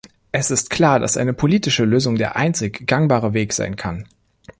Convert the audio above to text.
Es ist klar, dass eine politische Lösung der einzig gangbare Weg sein kann.